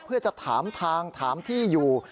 เพื่อจะถามทางถามที่อยู่